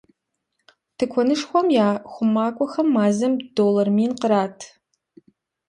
Тыкуэнышхуэм я хъумакӏуэхэм мазэм доллар мин кърат.